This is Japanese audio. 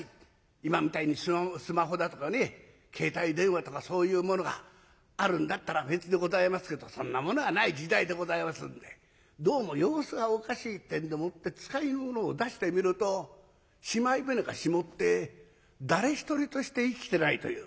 今みたいにスマホだとかね携帯電話とかそういうものがあるんだったら別でございますけどそんなものはない時代でございますんでどうも様子がおかしいってんでもって使いの者を出してみるとしまい船が沈って誰一人として生きてないという。